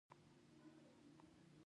د حاجي ګک کان څومره وسپنه لري؟